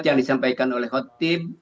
yang disampaikan oleh hot team